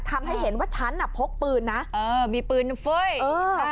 ทำให้เห็นว่าฉันน่ะพกปืนนะเออมีปืนเฟ้ย